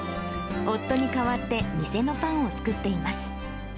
夫に代わって店のパンを作っています。